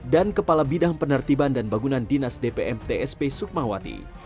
dan kepala bidang penertiban dan bangunan dinas dpm tsp sukmawati